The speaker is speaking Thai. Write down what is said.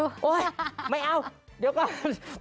ไม่เอาเดี๋ยวก่อน